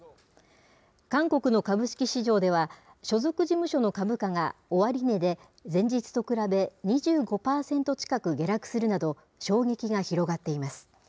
韓国の株式市場では、所属事務所の株価が、終値で前日と比べ２５％近く下落するなど、衝撃が広がっています。